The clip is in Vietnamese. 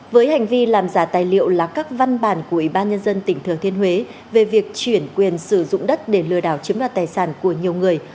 với hành vi làm giả tài liệu là các văn bản của ủy ban nhân dân tỉnh thừa thiên huế về việc chuyển quyền sử dụng đất để lừa đảo chiếm đoạt tài sản của nhiều người